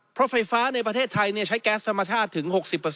เพราะไฟฟ้าในประเทศไทยใช้แก๊สธรรมชาติถึง๖๐